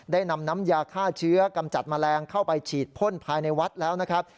นำน้ำยาฆ่าเชื้อกำจัดแมลงเข้าไปฉีดพ่นภายในวัดแล้วนะครับ